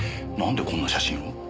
なんでこんな写真を？